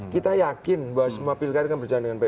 kita yakin bahwa semua pilkari kan berjalan dengan baik